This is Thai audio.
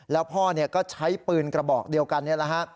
แล้วพ่อก็ใช้ปืนกระบอกเดียวกันนี่แหละฮะ